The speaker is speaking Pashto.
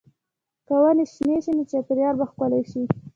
که ونې شنې شي، نو چاپېریال به ښکلی شي.